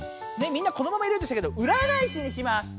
みんなこのまま入れようとしたけど裏返しにします。